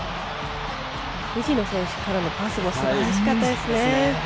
藤野選手からのパスもすばらしかったですね。